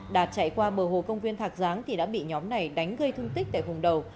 đạt chạy qua bờ hồ công viên thạc giáng thì đã bị nhóm này đánh gây thương tích tại vùng đầu